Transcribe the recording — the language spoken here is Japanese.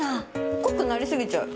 濃くなりすぎちゃう。